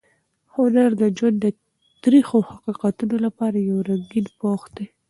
هنر د ژوند د تریخو حقیقتونو لپاره یو رنګین پوښ دی.